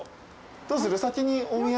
どうする？